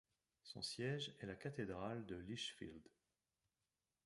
Son siège est la cathédrale de Lichfield.